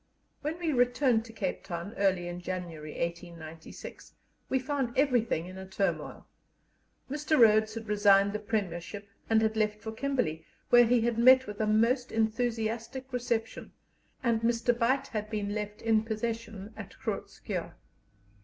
When we returned to Cape Town early in January, 1896, we found everything in a turmoil. Mr. Rhodes had resigned the premiership and had left for Kimberley, where he had met with a most enthusiastic reception, and Mr. Beit had been left in possession at Groot Schuurr.